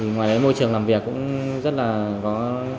ngoài môi trường làm việc cũng rất là có